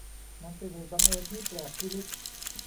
มันเป็นเหตุบังเอิญที่แปลกพิลึก